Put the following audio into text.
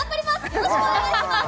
よろしくお願いします